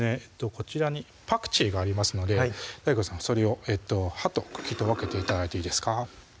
こちらにパクチーがありますのでＤＡＩＧＯさんそれを葉と茎と分けて頂いていいですか？